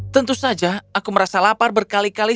tentu saja aku merasa lapar berkali kali